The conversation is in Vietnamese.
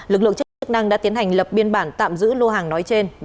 lực lượng chức năng đã tiến hành lập biên bản tạm giữ lô hàng nói trên